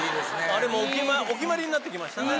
あれもうお決まりになってきましたね。